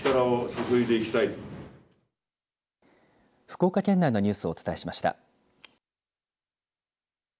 福岡県内のニュースをお伝えしました。